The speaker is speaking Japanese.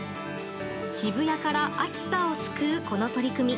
渋谷から秋田を救うこの取り組み。